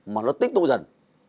mà nó tích tụ dần